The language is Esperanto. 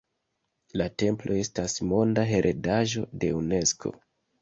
La templo estas monda heredaĵo de Unesko.